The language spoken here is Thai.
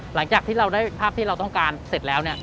หลังจากที่เราได้ภาพที่เราต้องการเสร็จแล้วเนี่ย